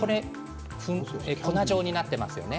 粉状になっていますよね。